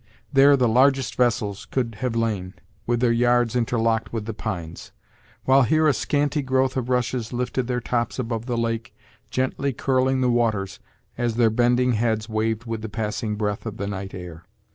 There the largest vessels could have lain, with their yards interlocked with the pines; while here a scanty growth of rushes lifted their tops above the lake, gently curling the waters, as their bending heads waved with the passing breath of the night air.